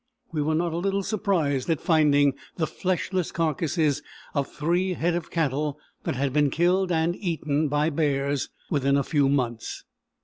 We were not a little surprised at finding the fleshless carcasses of three head of cattle that had been killed and eaten by bears within a few months.